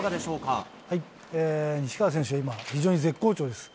西川選手は今、非常に絶好調です。